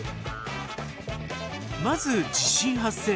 まず地震発生！